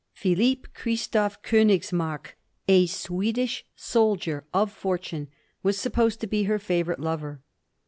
Philip Christof Konigs mark, a Swedish soldier of fortune, was supposed to be her figfcvoured lover.